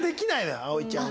葵ちゃんは。